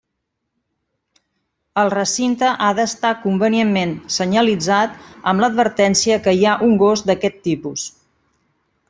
El recinte ha d'estar convenientment senyalitzat amb l'advertència que hi ha un gos d'aquests tipus.